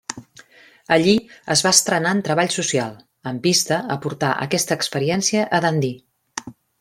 Allí es va entrenar en treball social, amb vista a portar aquesta experiència a Dundee.